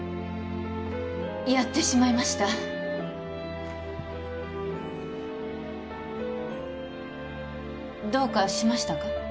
やってしまいましたどうかしましたか？